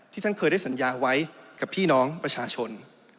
ท่านเคยได้สัญญาไว้กับพี่น้องประชาชน